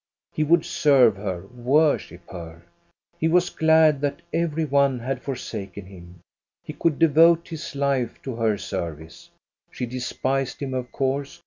He would serve her, worship her. He was glad that every one had forsaken him. He could devote his life to her service. She despised him of course.